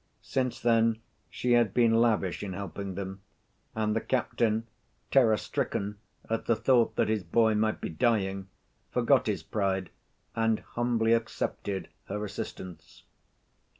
Since then she had been lavish in helping them, and the captain, terror‐stricken at the thought that his boy might be dying, forgot his pride and humbly accepted her assistance.